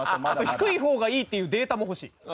低い方がいいっていうデータも欲しい。